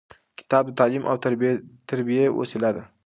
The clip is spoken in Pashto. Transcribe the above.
کتاب د تعلیم او تربیې وسیله ده.